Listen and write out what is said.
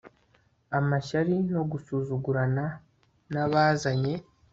amashyari no gusuzugurana n'abazanye